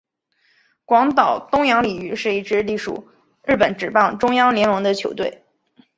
广岛东洋鲤鱼是一支隶属日本职棒中央联盟的球队。